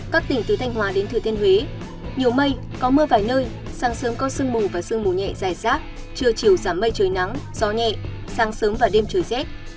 các tỉnh từ thanh hòa đến thừa thiên huế nhiều mây có mưa vài nơi sáng sớm có sương mù và sương mù nhẹ dài rác trưa chiều giảm mây trời nắng gió nhẹ sáng sớm và đêm trời rét